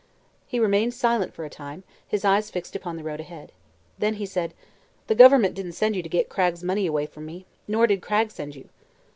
He remained silent for a time, his eyes fixed upon the road ahead. Then he said: "The Government didn't send you to get Cragg's money away from me. Nor did Cragg send you."